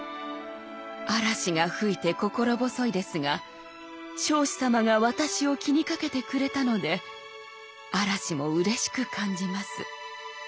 「嵐が吹いて心細いですが彰子様が私を気にかけてくれたので嵐もうれしく感じます」。